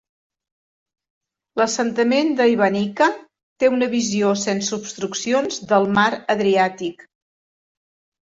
L"assentament d"Ivanica té una visió sense obstruccions del Mar Adriàtic.